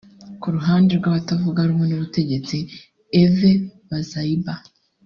Ku ruhande rw’abatavugarumwe n’ubutegetsi Eve Bazaïba